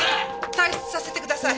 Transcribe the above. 退出させてください。